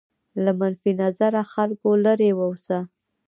له منفي نظره خلکو لرې واوسه.